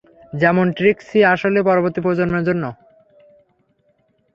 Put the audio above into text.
যেমন ট্রিক্সি আসলে পরবর্তী প্রজন্মের জন্য।